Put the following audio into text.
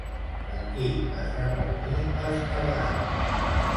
Amb qui es van reunir els navegants?